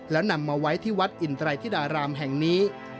แล้วนำมาไว้ที่วัดอินไตรธิดารามแห่งนี้